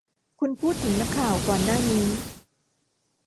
คุณพูดถึงนักข่าวก่อนหน้านี้ ?